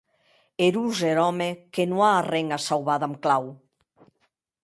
Erós er òme que non a arren que sauvar damb clau!